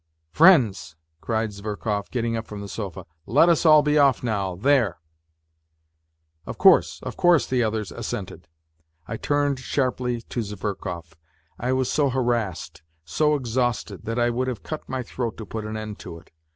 " Friends," cried Zverkov getting up from the sofa, " let us all be off now, there I "" Of course, of course," the others assented. I turned sharply to Zverkov. I was so harassed, so exhausted, that I would have cut my throat to put an end to it.